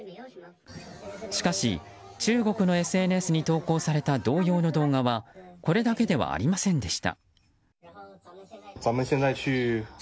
しかし、中国のＳＮＳに投稿された同様の動画はこれだけではありませんでした。